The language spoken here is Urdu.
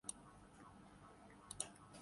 اگر یہ بات طے ہے۔